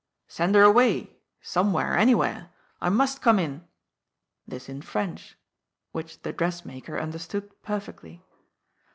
" Send her away, somewhere, anywhere. I must come in" — this in French, which the dressmaker understood perfectly.